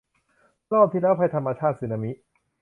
รอบที่แล้ว ภัยธรรมชาติ สึนามิ